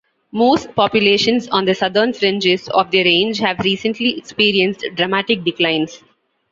Moose populations on the southern fringes of their range have recently experienced dramatic declines.